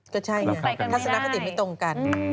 ก็ใช่เนี่ยคลักษณะคติไม่ตรงกัน